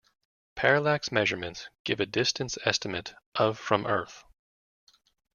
Parallax measurements give a distance estimate of from Earth.